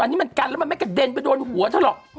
อันนี้มันกันแล้วมันไม่กระเด็นไปโดนหัวเธอหรอก